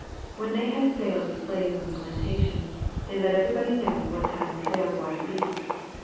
When they had sales of slaves on the plantations they let everybody know what time the sale gwine to be.